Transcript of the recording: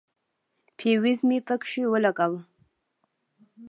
فيوز مې پکښې ولګاوه.